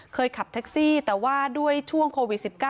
ขับแท็กซี่แต่ว่าด้วยช่วงโควิด๑๙